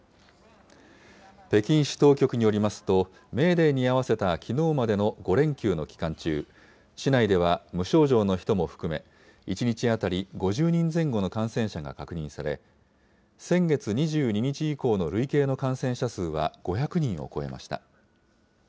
北京市当局によりますと、メーデーに合わせたきのうまでの５連休の期間中、市内では無症状の人も含め、１日当たり５０人前後の感染者が確認され、先月２２日以降の累計の感染者数は、５００人を超えました。